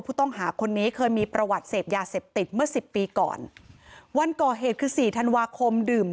ผู้ต้องหาคนนี้เคยมีประวัติเศษยาเสบติดเมื่อ๑๐ปีก่อนวันกหก๔ธนวาคมดื่ม